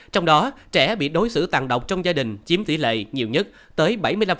trong đó trẻ bị đối xử tàn độc trong gia đình chiếm tỷ lệ nhiều nhất tới bảy mươi năm